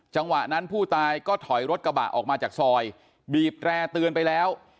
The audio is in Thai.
จังหวะนั้นผู้ตายก็ถอยรถกระบะออกมาจากซอยบีบแร่เตือนไปแล้ว